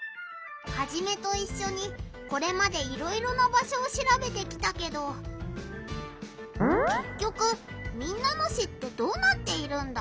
ハジメといっしょにこれまでいろいろな場所をしらべてきたけどけっきょく民奈野市ってどうなっているんだ？